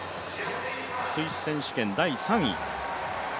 スイス選手権第３位。